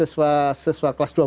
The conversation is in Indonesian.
siswa kelas dua belas